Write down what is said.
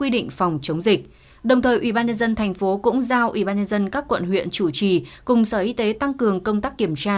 đồng thời ủy ban nhân dân thành phố cũng giao ủy ban nhân dân các quận huyện chủ trì cùng sở y tế tăng cường công tác kiểm tra